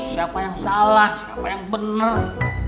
siapa yang salah siapa yang benar